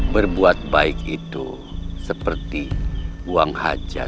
berbuat baik ini dan berhubung dengan baik